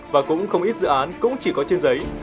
và cũng không ít dự án cũng chỉ có trên giấy